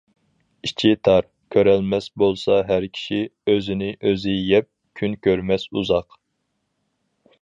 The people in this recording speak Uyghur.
ئىچى تار، كۆرەلمەس بولسا ھەر كىشى، ئۆزىنى ئۆزى يەپ، كۈن كۆرمەس ئۇزاق.